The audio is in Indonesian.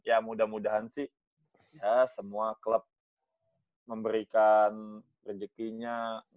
ya mudah mudahan sih ya semua klub memberikan rezekinya